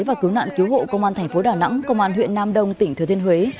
và cứu nạn cứu hộ công an thành phố đà nẵng công an huyện nam đông tỉnh thừa thiên huế